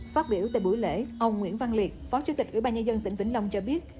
phát biểu tại buổi lễ ông nguyễn văn liệt phó chủ tịch ủy ban nhân dân tỉnh vĩnh long cho biết